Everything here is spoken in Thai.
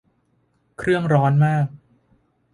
เครื่องร้อนมาก